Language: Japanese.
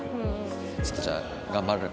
ちょっとじゃあ頑張る。